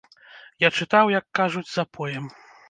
Я чытаў, як кажуць, запоем.